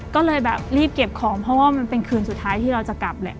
ก็เลยแบบรีบเก็บของเพราะว่ามันเป็นคืนสุดท้ายที่เราจะกลับแหละ